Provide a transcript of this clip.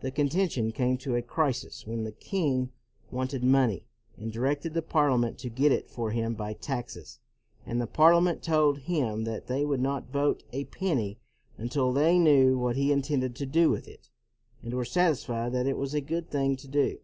The contention came to a crisis when the 242 CROMWELL king wanted money, and directed the Par liament to get it for him by taxes, and the Parliament told him that they would not vote a penny until they knew what he intended to do with it, and were satisfied that it was a good thing to do.